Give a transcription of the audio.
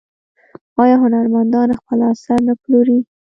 آیا هنرمندان خپل اثار نه پلوري؟